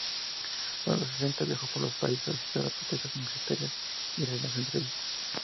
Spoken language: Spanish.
Durante los sesenta, viajó por el país, asistió a protestas universitarias y realizó entrevistas.